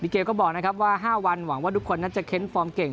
เกลก็บอกนะครับว่า๕วันหวังว่าทุกคนนั้นจะเค้นฟอร์มเก่ง